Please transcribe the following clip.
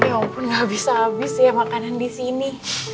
ya ampun enggak habis habis ya makanan di sini